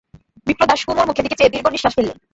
বিপ্রদাস কুমুর মুখের দিকে চেয়ে দীর্ঘনিশ্বাস ফেললে।